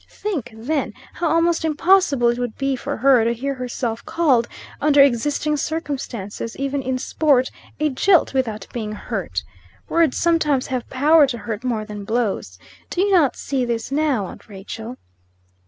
Think, then, how almost impossible it would be for her to hear herself called, under existing circumstances, even in sport, a jilt, without being hurt. Words sometimes have power to hurt more than blows. Do you not see this now, aunt Rachel?"